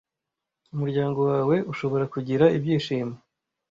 Umuryango wawe ushobora kugira ibyishimo